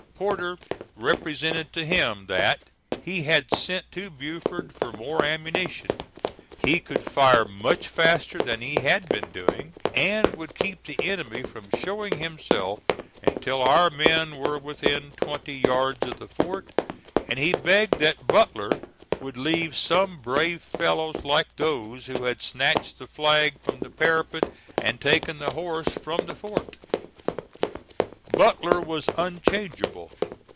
Porter represented to him that he had sent to Beaufort for more ammunition. He could fire much faster than he had been doing, and would keep the enemy from showing himself until our men were within twenty yards of the fort, and he begged that Butler would leave some brave fellows like those who had snatched the flag from the parapet and taken the horse from the fort. Butler was unchangeable.